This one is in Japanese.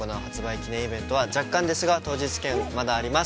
記念イベントは、若干ですが当日券があります。